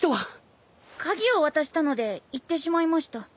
鍵を渡したので行ってしまいました。